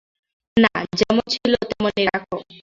না, যেমন ছিল তেমন-ই রাখো।